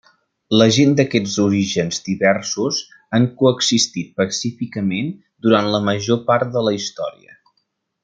La gent d'aquests orígens diversos han coexistit pacíficament durant la major part de la història.